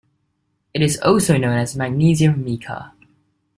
It is also known as magnesium mica.